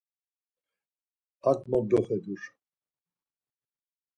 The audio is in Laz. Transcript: Hak mo doxedur.